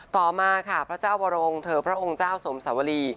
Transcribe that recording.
ต่อมาค่ะพระเจ้าวรงค์เธอพระองค์เจ้าสมสวรี